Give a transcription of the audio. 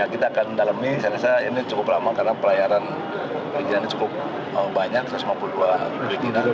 kita akan dalami saya rasa ini cukup lama karena pelayaran perizinan cukup banyak satu ratus lima puluh dua perizinan